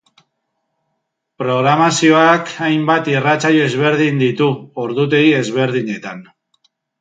Programazioak hainbat irratsaio ezberdin ditu, ordutegi ezberdinetan.